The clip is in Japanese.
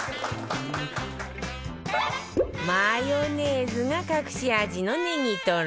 マヨネーズが隠し味のねぎとろ